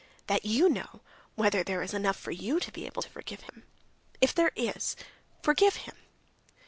That you know—whether there is enough for you to be able to forgive him. If there is, forgive him!"